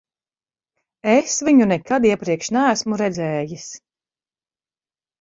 Es viņu nekad iepriekš neesmu redzējis.